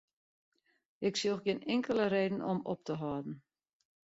Ik sjoch gjin inkelde reden om op te hâlden.